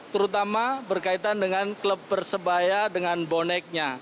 terutama berkaitan dengan klub persebaya dengan boneknya